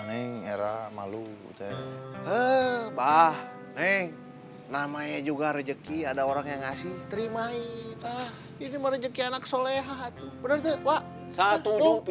neng namanya juga rezeki ada orang yang ngasih terima ini mah rezeki anak solehat